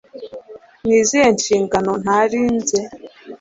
ni izihe nshingano ntarinze